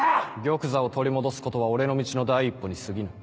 玉座を取り戻すことは俺の路の第一歩にすぎぬ。